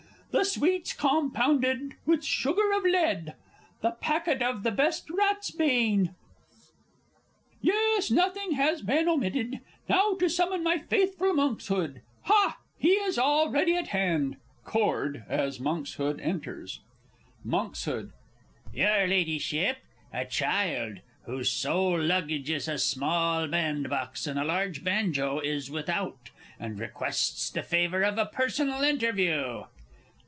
The sweets compounded with sugar of lead? The packet of best ratsbane? Yes, nothing has been omitted. Now to summon my faithful Monkshood.... Ha! he is already at hand. [Chord as MONKSHOOD enters. Monkshood. Your Ladyship, a child, whose sole luggage is a small bandbox and a large banjo, is without, and requests the favour of a personal interview.